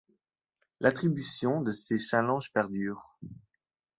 L'attribution de ces Challenges perdure.